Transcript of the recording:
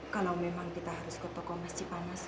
kalau memang kita harus ke toko masjid panas